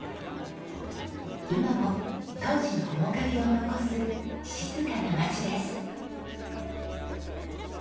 今も当時の面影を残す静かな町です。